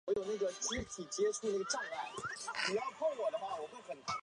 程砚秋自称鸳鸯冢是一出伟大的爱情悲剧。